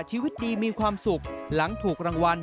ชีวิตดีมีความสุขหลังถูกรางวัล